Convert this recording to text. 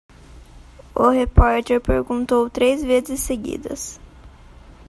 O repórter perguntou três vezes seguidas.